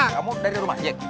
kamu dari rumah jack